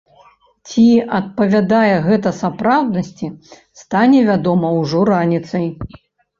Ці адпавядае гэта сапраўднасці, стане вядома ўжо раніцай.